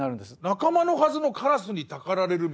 仲間のはずのカラスにたかられるみたいな。